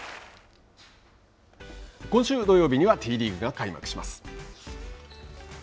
今週土曜日にはＴリーグが開幕します。